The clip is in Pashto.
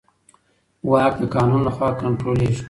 واک د قانون له خوا کنټرولېږي.